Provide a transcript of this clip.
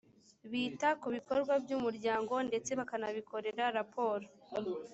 bita ku bikorwa by’umuryango ndetse bakanabikorera raporo